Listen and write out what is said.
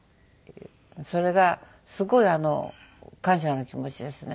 それがすごいあの感謝の気持ちですね。